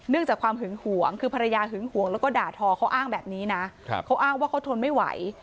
จากความหึงหวงคือภรรยาหึงห่วงแล้วก็ด่าทอเขาอ้างแบบนี้นะเขาอ้างว่าเขาทนไม่ไหว